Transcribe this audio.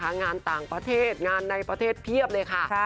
งานต่างประเทศงานในประเทศเพียบเลยค่ะ